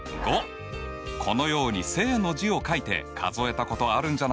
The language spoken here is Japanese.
このように「正」の字を書いて数えたことあるんじゃないかな？